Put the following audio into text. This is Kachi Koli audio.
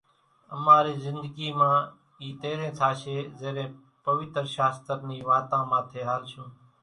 اماري زندگي مان اِي تيرين ٿاشي زيرين پويتر شاستر ني واتان ماٿي ھالشون